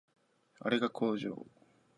あれが工場